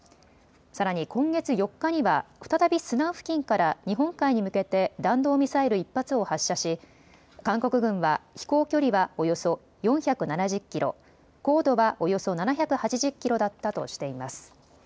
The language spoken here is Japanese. さらに今月４日には再びスナン付近から日本海に向けて弾道ミサイル１発を発射し韓国軍は飛行距離はおよそ４７０キロ、高度はおよそ７８０キロだったとしています。